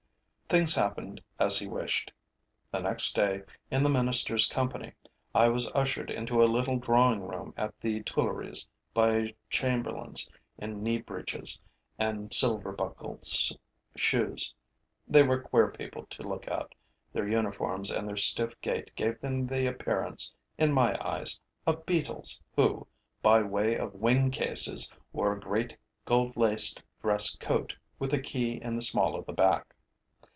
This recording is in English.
Things happened as he wished. The next day, in the minister's company, I was ushered into a little drawing room at the Tuileries by chamberlains in knee breeches and silver buckled shoes. They were queer people to look at. Their uniforms and their stiff gait gave them the appearance, in my eyes, of beetles who, by way of wing cases, wore a great, gold laced dress coat, with a key in the small of the back.